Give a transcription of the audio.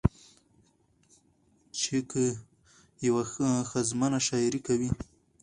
چې که يوه ښځمنه شاعري کوي